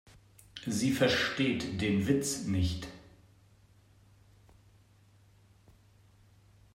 Sie versteht den Witz nicht.